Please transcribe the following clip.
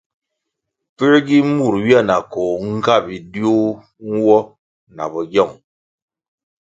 Puē gi mur ywia na koh nga bidiu nwo na bogyong?